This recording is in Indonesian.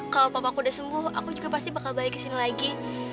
kalau papa aku udah sembuh aku juga pasti bakal balik kesini lagi